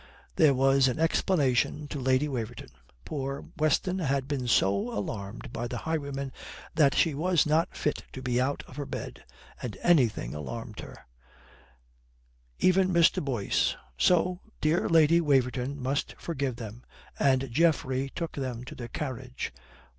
There was an explanation to Lady Waverton: poor Weston had been so alarmed by the highwaymen that she was not fit to be out of her bed, and anything alarmed her; even Mr. Boyce; so dear Lady Waverton must forgive them. And Geoffrey took them to their carriage.